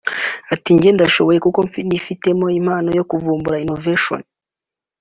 Ati “ Jjye ndashoboye kuko nifitemo impano yo kuvumbura (Innovation)